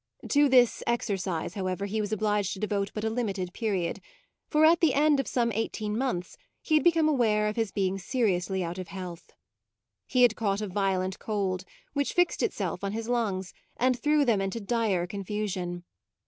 To this exercise, however, he was obliged to devote but a limited period, for at the end of some eighteen months he had become aware of his being seriously out of health. He had caught a violent cold, which fixed itself on his lungs and threw them into dire confusion.